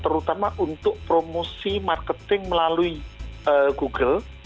terutama untuk promosi marketing melalui google